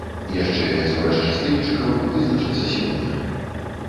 Яшчэ пяцёра шчасліўчыкаў вызначацца сёння.